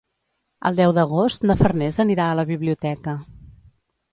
El deu d'agost na Farners anirà a la biblioteca.